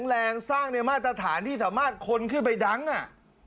สรุปแรงซ่างในมาตรฐานที่สามารถคนขึ้นไปดังอะไร